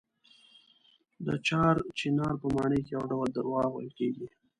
د چار چنار په ماڼۍ کې یو ډول درواغ ویل کېږي.